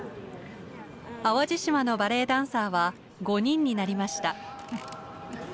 淡路島のバレエダンサーは５人になりました。